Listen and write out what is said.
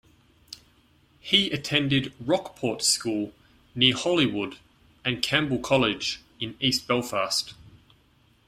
He attended Rockport School near Holywood and Campbell College in east Belfast.